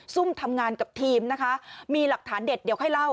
ซุ่มทำงานกับทีมนะคะมีหลักฐานเด็ดเดี๋ยวค่อยเล่า